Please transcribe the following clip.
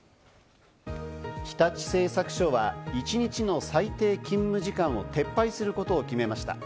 日立製作所は一日の最低勤務時間を撤廃することを決めました。